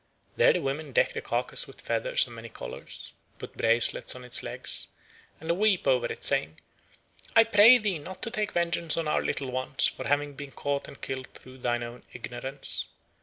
There the women deck the carcase with feathers of many colours, put bracelets on its legs, and weep over it, saying, "I pray thee not to take vengeance on our little ones for having been caught and killed through thine own ignorance.